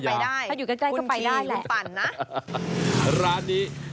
ถ้าอยู่ใกล้ก็ไปได้แหละ